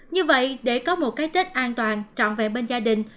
như vậy để có một cái tết an toàn trọn vẹn bên gia đình